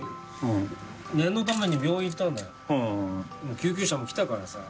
救急車も来たからさ。